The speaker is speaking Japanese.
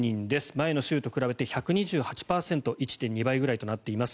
前の週と比べて１２８％１．２倍ぐらいとなっています。